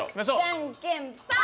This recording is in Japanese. じゃんけん、パー！